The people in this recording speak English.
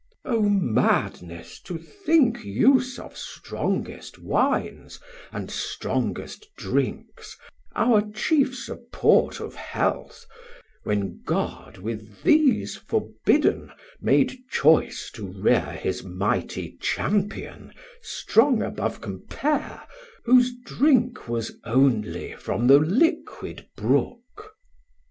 Chor. O madness, to think use of strongest wines And strongest drinks our chief support of health, When God with these forbid'n made choice to rear His mighty Champion, strong above compare, Whose drink was only from the liquid brook.